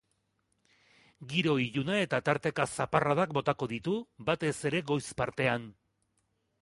Giro iluna eta tarteka zaparradak botako ditu, batez ere goiz partean.